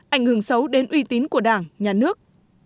ảnh hưởng xấu đến uy tín của đảng nhà nước